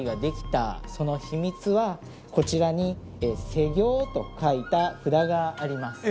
こちらに「施行」と書いた札があります。